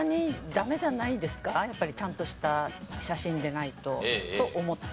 やっぱりちゃんとした写真でないとと思って。